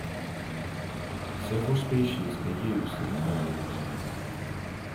Several species are used in aquariums.